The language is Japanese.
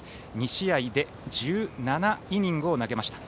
２試合で１７イニングを投げました。